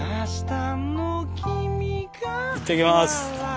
行ってきます！